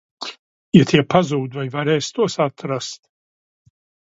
Ja tie pazūd, vai varēsi tos atrast?